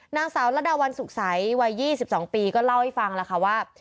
นางสาวระดาวันสุขใสวัย๒๒ปีก็เล่าให้ฟังแล้วค่ะว่า